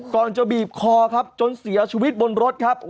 ก่อนจะบีบคอครับจนเสียชีวิตบนรถครับ